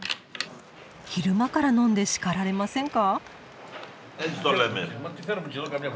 昼間から飲んで叱られませんか？